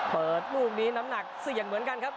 ลูกนี้น้ำหนักเสี่ยงเหมือนกันครับ